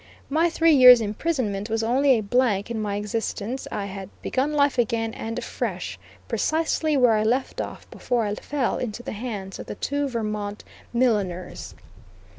My three years' imprisonment was only a blank in my existence; I had begun life again and afresh, precisely where I left off before I fell into the hands of the two Vermont milliners.